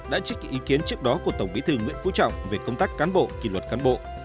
đã trích ý kiến trước đó của tổng bí thư nguyễn phú trọng về công tác cán bộ kỳ luật cán bộ